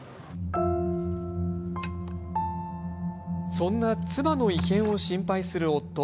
そんな妻の異変を心配する夫。